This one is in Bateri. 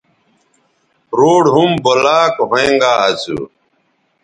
روڈ ھُم بلاکھوینگااسو